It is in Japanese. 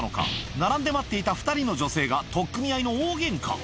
並んで待っていた２人の女性が取っ組み合いの大げんか。